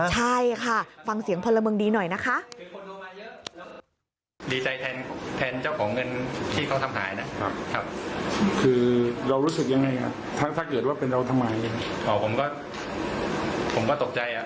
ใช่ค่ะฟังเสียงพลเมืองดีหน่อยนะคะ